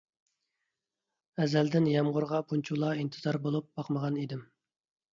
ئەزەلدىن يامغۇرغا بۇنچىلا ئىنتىزار بولۇپ باقمىغان ئىدىم.